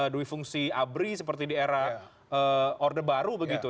duifungsi abri seperti di era order baru begitu